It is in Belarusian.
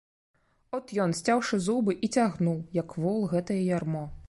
От ён, сцяўшы зубы, і цягнуў, як вол, гэтае ярмо.